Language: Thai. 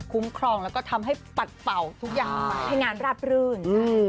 ครองแล้วก็ทำให้ปัดเป่าทุกอย่างให้งานราบรื่น